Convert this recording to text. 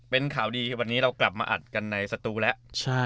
เป็นข่าวดีวันนี้เรากลับมาอัดกันในสตูแล้ว